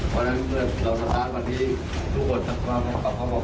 เพราะฉะนั้นเมื่อเราสถานกันที่ทุกคนทั้งความความปกครองไปให้ได้